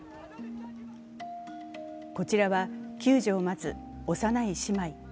こちらは救助を待つ幼い姉妹。